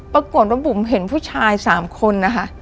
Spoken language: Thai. ปรากฏว่าบุ๋มเห็นผู้ชายสามคน